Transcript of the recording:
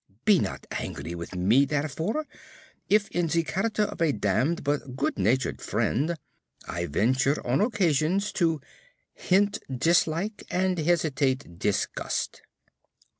Be not angry with me therefore, if in the character of a damned but good natured friend, I venture on occasions to "hint dislike and hesitate disgust."